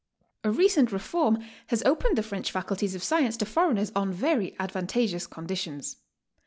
A recent reform has opened the French faculties of science to foreigners on very advantageous conditions.